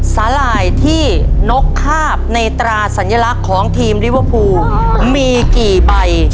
หร่ายที่นกคาบในตราสัญลักษณ์ของทีมลิเวอร์พูลมีกี่ใบ